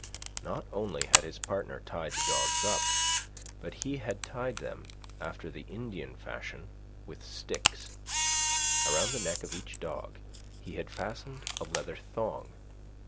Not only had his partner tied the dogs up, but he had tied them, after the Indian fashion, with sticks. About the neck of each dog he had fastened a leather thong.